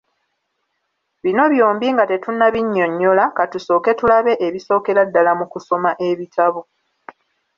Bino byombi nga tetunnabinnyonnyola, katusooke tulabe ebisookera ddala mu kusoma ebitabo.